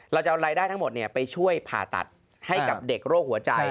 เราจะเอารายได้ทั้งหมดไปช่วยผ่าตัดให้กับเด็กโรคหัวใจ